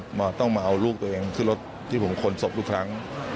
หมอต้องมาเอาลูกตัวเองขึ้นรถที่ผมขนศพทุกครั้ง